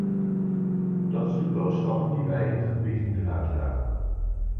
Dat is de boodschap die wij in het gebied moeten uitdragen.